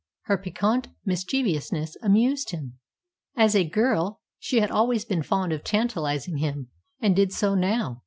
Her piquant mischievousness amused him. As a girl, she had always been fond of tantalising him, and did so now.